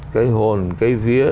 cái hồn cái vía